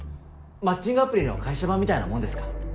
マッチングアプリの会社版みたいなもんですか。